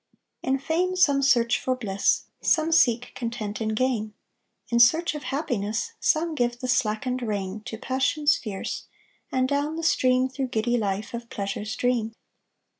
In fame some search for bliss, Some seek content in gain, In search of happiness Some give the slackened rein To passions fierce, And down the stream Through giddy life, Of pleasures dream.